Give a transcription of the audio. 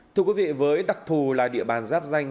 thưa quý vị với đặc thù là địa bàn giáp danh